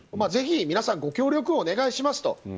ぜひ、皆さんご協力をお願いしますと。